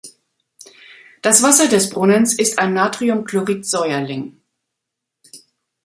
Das Wasser des Brunnens ist ein Natriumchlorid-Säuerling.